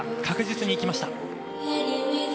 確実にいきました。